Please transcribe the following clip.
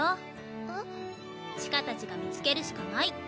千歌たちが見つけるしかない。